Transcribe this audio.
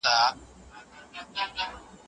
ایا معلم صاحب زموږ پاڼه وړاندي کړه؟